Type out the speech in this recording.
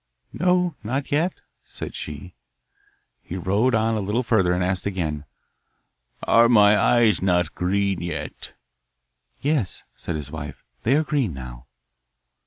'No, not yet,' said she. He rowed on a little further and asked again, 'Are my eyes not green yet?' 'Yes,' said his wife, 'they are green now.